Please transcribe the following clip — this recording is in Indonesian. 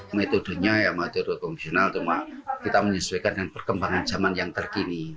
metodenya ya metode konvensional cuma kita menyesuaikan dengan perkembangan zaman yang terkini